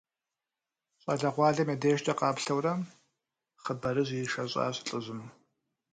Щӏалэгъуалэм я дежкӏэ къаплъэурэ хъыбарыжь ишэщӀащ лӏыжьым.